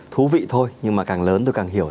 thú vị thôi nhưng mà càng lớn tôi càng hiểu